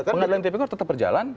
pengadilan tipi korps tetap berjalan